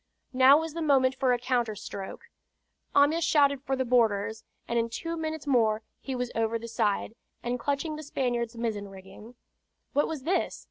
Now was the moment for a counter stroke. Amyas shouted for the boarders, and in two minutes more he was over the side, and clutching at the Spaniard's mizzen rigging. What was this?